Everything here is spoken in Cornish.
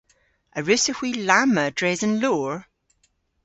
A wrussowgh hwi lamma dres an loor?